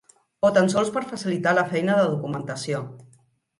O tan sols per facilitar la feina de documentació.